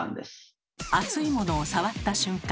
熱いものを触った瞬間